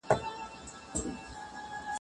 که ماشوم ته د ژبې اهمیت وښیو، نو هغه پرمختګ کوي.